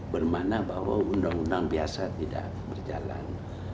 bermana bahwa undang undang biasa tidak berjalan